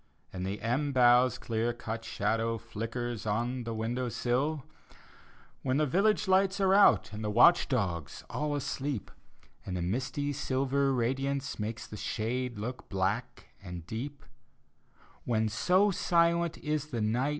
And the elm bough's clear cut shadow Flickers on the window sill — When the village lights are out, And the watch dogs all asleep, And the misty silver radiance Makes the shade look black and deep — When, so silent is the night.